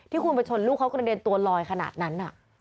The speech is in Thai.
คุณไปชนลูกเขากระเด็นตัวลอยขนาดนั้น